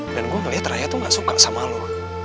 dan gue gak liat raya tuh gak suka sama lo